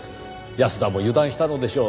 安田も油断したのでしょう。